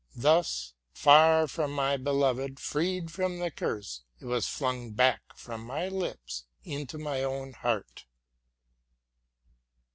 Thus, far from my being freed from the curse, it was flung back from my lips into my own heart.